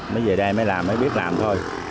mới về đây mới làm mới biết làm thôi